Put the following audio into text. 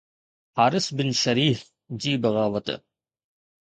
حارث بن شريح جي بغاوت